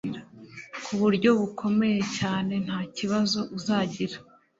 kuburyo bukomeye cyane ntakibazo uzagira